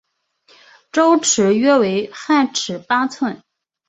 周尺约为汉尺八寸。